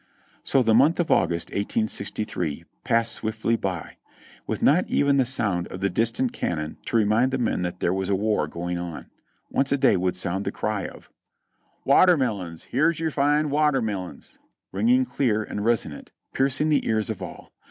So the month of August, 1863, passed swiftly by, with not even the sound of the distant cannon to remind the men that there was a war going on. Once a day would sound the cry of — "Watermillions, here's yer fine watermillions !" ringing clear and resonant, piercing the ears of all.